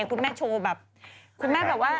คุณแม่โชว์แบบคุณแม่แบบว่า